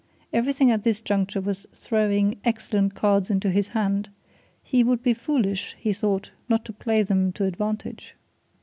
Everything at this juncture was throwing excellent cards into his hand he would be foolish, he thought, not to play them to advantage.